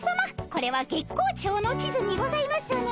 これは月光町の地図にございますね？